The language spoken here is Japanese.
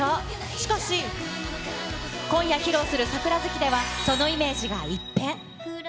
しかし、今夜披露する桜月では、そのイメージが一変。